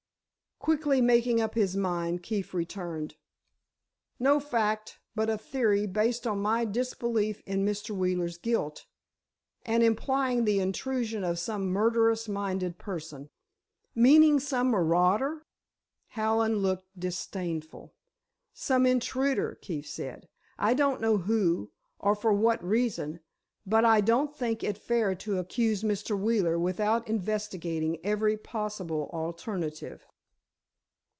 Quickly making up his mind, Keefe returned: "No fact, but a theory based on my disbelief in Mr. Wheeler's guilt, and implying the intrusion of some murderous minded person." "Meaning some marauder?" Hallen looked disdainful. "Some intruder," Keefe said. "I don't know who, or for what reason, but I don't think it fair to accuse Mr. Wheeler without investigating every possible alternative."